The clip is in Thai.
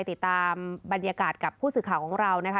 ติดตามบรรยากาศกับผู้สื่อข่าวของเรานะคะ